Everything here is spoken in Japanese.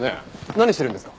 何してるんですか？